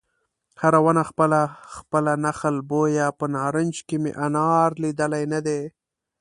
هره ونه خپله خپله نخل بویه په نارنج کې مې انار لیدلی نه دی